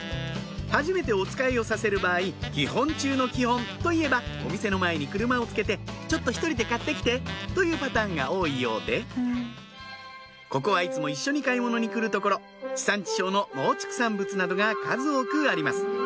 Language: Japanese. はじめておつかいをさせる場合基本中の基本といえばお店の前に車をつけて「ちょっと１人で買って来て」というパターンが多いようでここはいつも一緒に買い物に来る所地産地消の農畜産物などが数多くあります